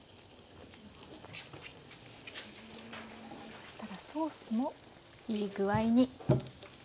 そしたらソースもいい具合に。